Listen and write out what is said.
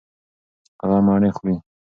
هغه مڼې خوري.